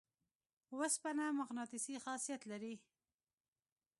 اوسپنه مقناطیسي خاصیت لري.